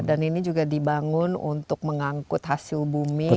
dan ini juga dibangun untuk mengangkut hasil bumi